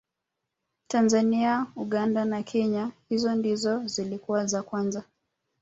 tanzania uganda na kenya hizo ndizo zilikuwa za kwanza